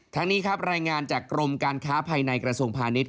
ทั้งนี้ครับรายงานจากกรมการค้าภายในกระทรวงพาณิชย